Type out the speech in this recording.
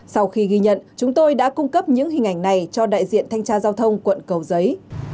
sau khi ghi nhận chúng tôi đã cung cấp những hình ảnh này cho đại diện thanh tra giao thông quận cầu giấy